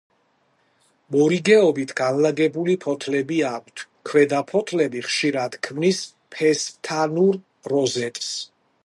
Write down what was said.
მორიგეობით განლაგებული ფოთლები აქვთ; ქვედა ფოთლები ხშირად ქმნის ფესვთანურ როზეტს.